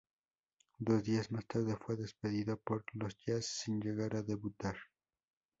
Dos días más tarde fue despedido por los Jazz sin llegar a debutar.